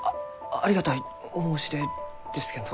ありがたいお申し出ですけんどその。